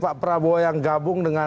pak prabowo yang gabung dengan